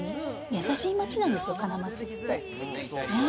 やさしい街なんですよ、金町って。